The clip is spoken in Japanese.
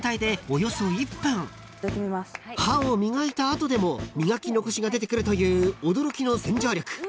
［歯を磨いた後でも磨き残しが出てくるという驚きの洗浄力］